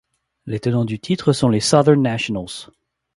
Les tenants du titre sont les Southern Nationals.